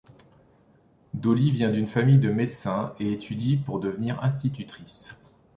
Dolly vient d'une famille de médecins et étudie pour devenir institutrice.